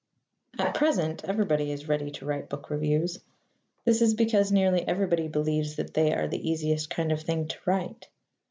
At present everybody is ready to write book reviews. This is because nearly everybody believes that they are the easiest kind of thing to write.